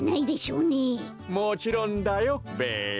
もちろんだよべや。